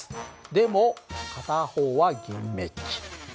でも片方は銀めっき。